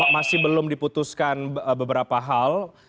masih belum diputuskan beberapa hal